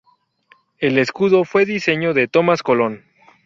El escudo fue diseño de Tomás Colón.